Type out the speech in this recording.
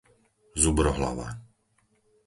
Zubrohlava